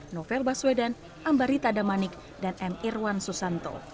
novel baswedan ambarit adamanik dan m irwan susanto